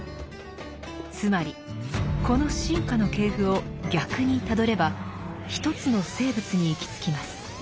つまりこの進化の系譜を逆にたどれば一つの生物に行き着きます。